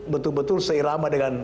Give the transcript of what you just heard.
betul betul seirama dengan